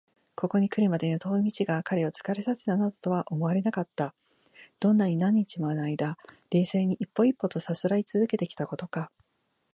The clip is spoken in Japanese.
ここにくるまでの遠い道が彼を疲れさせたなどとは思われなかった。どんなに何日ものあいだ、冷静に一歩一歩とさすらいつづけてきたことか！